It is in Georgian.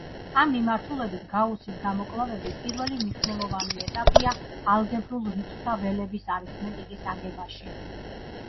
ამ მიმართულებით გაუსის გამოკვლევები პირველი მნიშვნელოვანი ეტაპია ალგებრულ რიცხვთა ველების არითმეტიკის აგებაში.